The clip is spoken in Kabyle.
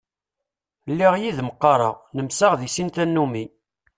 Lliɣ yid-m qqareɣ, nemseɣ di sin tannumi.